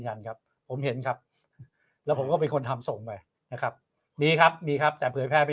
กันครับผมเห็นครับแล้วผมก็เป็นคนทำส่งไปนะครับมีครับมีครับแต่เผยแพร่ไป